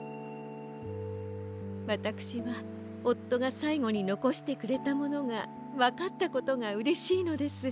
わたくしはおっとがさいごにのこしてくれたものがわかったことがうれしいのです。